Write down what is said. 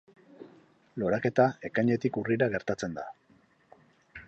Loraketa Ekainetik Urrira gertatzen da.